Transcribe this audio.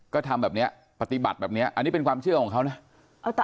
ก็ทำแบบนี้ปฏิบัติแบบนี้อันนี้เป็นความเชื่อของเขานะ